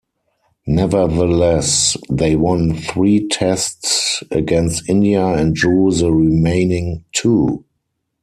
Nevertheless they won three Tests against India and drew the remaining two.